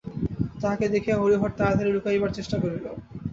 তাহাকে দেখিয়া হরিহর তাড়াতাড়ি লুকাইবার চেষ্টা করিল।